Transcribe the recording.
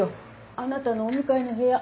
あなたのお向かいの部屋